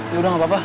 yaudah gak apa apa